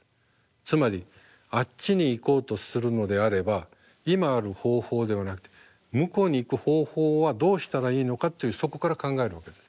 つまりあっちに行こうとするのであれば今ある方法ではなくて向こうに行く方法はどうしたらいいのかというそこから考えるわけです。